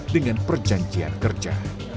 dengan perjanjian kerja